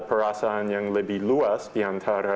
perasaan yang lebih luas diantara